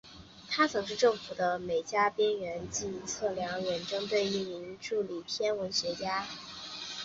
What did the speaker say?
他曾是政府的美加边境线测量远征队的一名助理天文学家。